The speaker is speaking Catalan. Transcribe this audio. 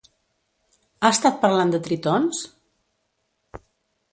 Ha estat parlant de tritons?